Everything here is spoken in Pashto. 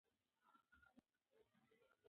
ټولنیز حالت د ټولنې له ستونزو نه پټوي.